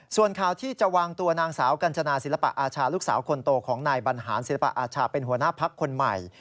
ส่วนข่าวที่จะวางตัวนางสาวกัญจนาศิลปะอาชาลูกสาวคนโตของนายบรรหารศิลปะอาชาเป็นหัวหน้าพักคนใหม่